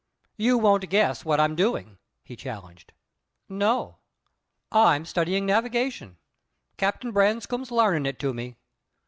"You won't guess what I'm doing?" he challenged. "No." "I'm studyin' navigation. Cap'n Branscome's larnin' it to me.